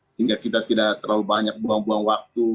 sehingga kita tidak terlalu banyak buang buang waktu